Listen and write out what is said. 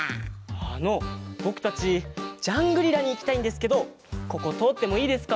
あのぼくたちジャングリラにいきたいんですけどこことおってもいいですか？